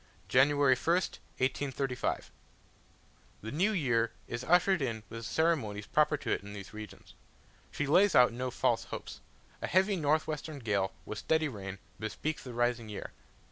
January 1st 1835. The new year is ushered in with the ceremonies proper to it in these regions. She lays out no false hopes: a heavy north western gale, with steady rain, bespeaks the rising year.